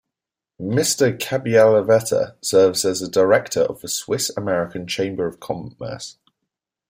Mr. Cabiallavetta serves as a director of the Swiss American Chamber of Commerce.